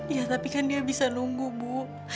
ya tapi kan dia bisa nunggu bu